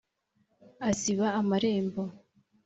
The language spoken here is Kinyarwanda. Asiba amarembo